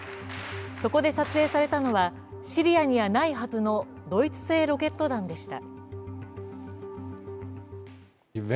そこで撮影されたのはシリアではないはずのドイツ製ロケット弾でした。